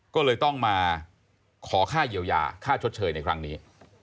ก็เลยต้องมาขอค่าเยียวยาค่าชดเชยในครั้งนี้